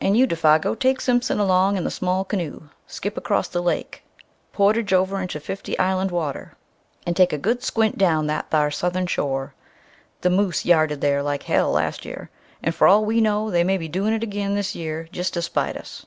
"And you, Défago, take Mr. Simpson along in the small canoe, skip across the lake, portage over into Fifty Island Water, and take a good squint down that thar southern shore. The moose 'yarded' there like hell last year, and for all we know they may be doin' it agin this year jest to spite us."